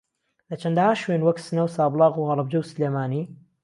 لە چەندەھا شوێن وەک سنە و سابڵاخ و ھەڵەبجە و سلێمانی